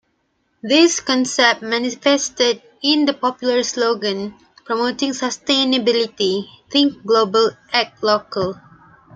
This concept manifested in the popular slogan promoting sustainability: think global, act local.